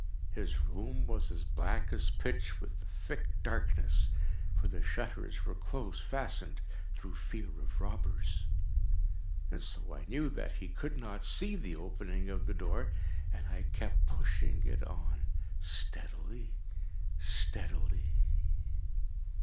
His room was as black as pitch with the thick darkness, (for the shutters were close fastened, through fear of robbers,) and so I knew that he could not see the opening of the door, and I kept pushing it on steadily, steadily.